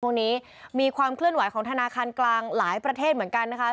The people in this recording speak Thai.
มีความเคลื่อนไหวของธนาคารกลางหลายประเทศเหมือนกันนะคะ